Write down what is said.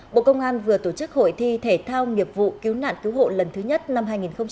bộ công an vừa tổ chức hội thi thể thao nghiệp vụ cứu nạn cứu hộ lần thứ nhất năm hai nghìn hai mươi